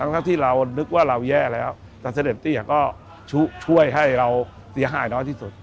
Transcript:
ทั้งที่เรานึกว่าเราแย่แล้วแต่เสด็จเตี้ยก็ช่วยให้เราเสียหายน้อยที่สุด